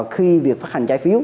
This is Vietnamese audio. khi việc phát hành trái phiếu